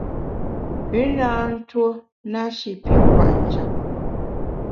Pü tâ ntuo na shi pi kwet njap.